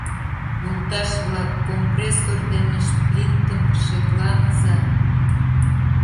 — Йолташ-влак, компрессор дене шплинтым шекланыза.